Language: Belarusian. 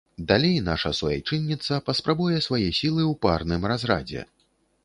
Далей наша суайчынніца паспрабуе свае сілы ў парным разрадзе.